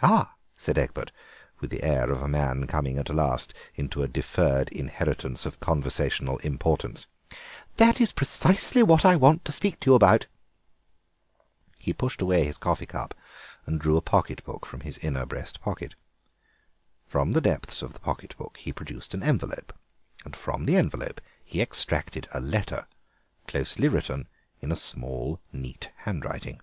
"Ah!" said Egbert, with the air of a man coming at last into a deferred inheritance of conversational importance, "that is precisely what I want to speak to you about." He pushed away his coffee cup and drew a pocket book from his inner breast pocket. From the depths of the pocket book he produced an envelope, and from the envelope he extracted a letter, closely written in a small, neat handwriting.